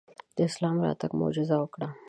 د اسلام راتګ معجزه وکړه.